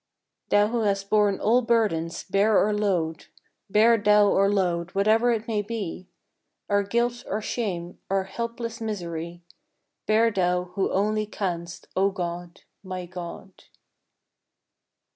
Thou Who hast borne all burdens, bear our load, Bear Thou our load whatever it may be. Our guilt, our shame, our helpless misery, Bear Thou who only canst, O God, my God.